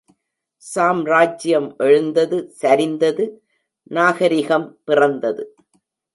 சாம்ராஜ்ஜியம் எழுந்தது, சரிந்தது, நாகரிகம் பிறந்தது.